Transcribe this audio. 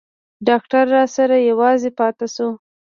ډاکتر راسره يوازې پاته سو.